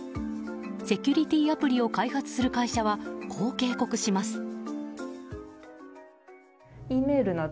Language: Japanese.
セキュリティーアプリを開発する会社は、こう警告します。